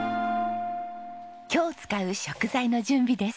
今日使う食材の準備です。